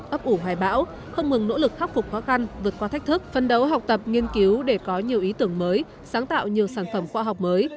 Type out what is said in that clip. ấp ủ hoài bão không ngừng nỗ lực khắc phục khó khăn vượt qua thách thức phân đấu học tập nghiên cứu để có nhiều ý tưởng mới sáng tạo nhiều sản phẩm khoa học mới